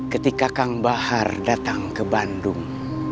ketika kang bahar datang ke bandung